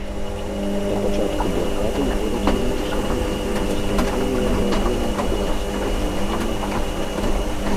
Да пачатку блакады ў горадзе меліся толькі недастатковыя па аб'ёме запасы харчавання і паліва.